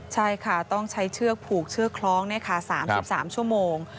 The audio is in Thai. ใช่ค่ะต้องใช้เชือกผูกเชือกคล้อง๓๓ชั่วโมง